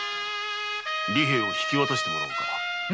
利平を引き渡してもらおうか。